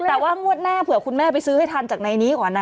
แต่ว่างวดหน้าเผื่อคุณแม่ไปซื้อให้ทันจากในนี้ก่อนนะ